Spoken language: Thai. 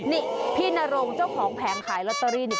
นี่พี่นรงเจ้าของแผงขายลอตเตอรี่